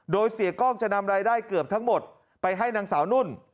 โดยเสียกล้องจะนำรายได้เกือบทั้งหมดไปให้นางสาวนุ่น